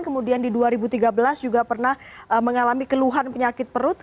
kemudian di dua ribu tiga belas juga pernah mengalami keluhan penyakit perut